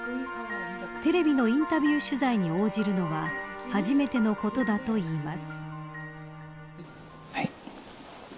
テレビのインタビュー取材に応じるのは初めてのことだといいます。